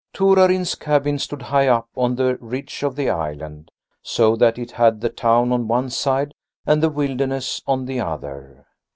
Torarin's cabin stood high up on the ridge of the island, so that it had the town on one side and the wilderness on the other.